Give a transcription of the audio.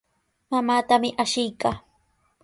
Mamaatami ashiykaa.